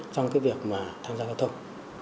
trong cái việc mà tham gia giao thông